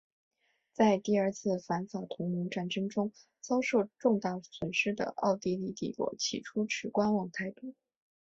在第二次反法同盟战争中遭受重大损失的奥地利帝国起初持观望态度。